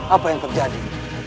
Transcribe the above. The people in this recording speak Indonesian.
apa yang terjadi